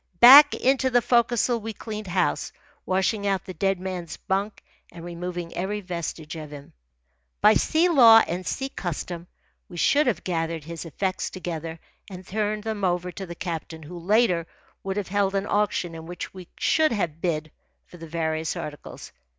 Back into the forecastle we cleaned house, washing out the dead man's bunk and removing every vestige of him. By sea law and sea custom, we should have gathered his effects together and turned them over to the captain, who, later, would have held an auction in which we should have bid for the various articles.